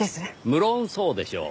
無論そうでしょう。